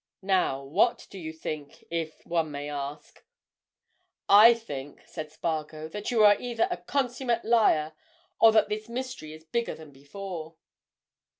Now what do you think?—if one may ask." "I think," said Spargo, "that you are either a consummate liar, or that this mystery is bigger than before."